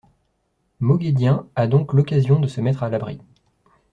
Moghedien a donc l'occasion de se mettre à l'abri.